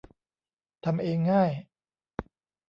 ทำเองง่าย